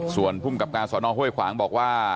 ส่วนภูมิกับการสอนอห้วยขวางบอกว่า